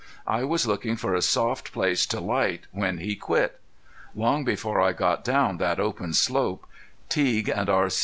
I was looking for a soft place to light when he quit. Long before I got down that open slope Teague and R.